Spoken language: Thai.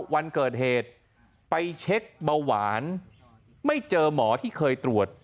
วันเกิดเหตุไปเช็คเบาหวานไม่เจอหมอที่เคยตรวจ